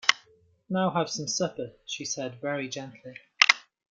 “Now have some supper,” she said very gently.